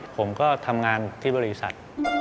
ผมก็ทำงานที่บริษัท